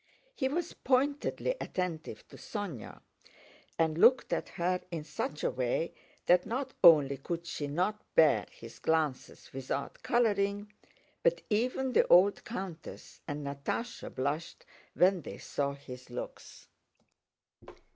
He was pointedly attentive to Sónya and looked at her in such a way that not only could she not bear his glances without coloring, but even the old countess and Natásha blushed when they saw his looks.